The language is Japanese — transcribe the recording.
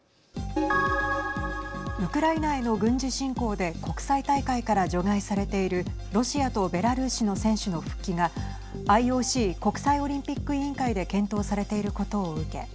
ウクライナへの軍事侵攻で国際大会から除外されているロシアとベラルーシの選手の復帰がＩＯＣ＝国際オリンピック委員会で検討されていることを受け